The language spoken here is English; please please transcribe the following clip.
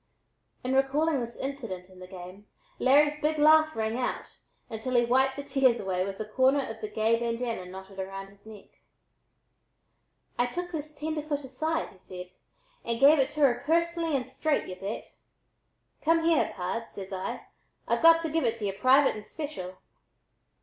In recalling this incident in the game, Larry's big laugh rang out until he wiped the tears away with a corner of the gay bandanna knotted about his neck. "I took this tenderfoot aside," he said, "and gave it to her personally and straight, y'u bet. Come here, pard, says I, I've got to give it to y'u private and special.